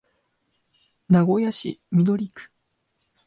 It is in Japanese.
名古屋市緑区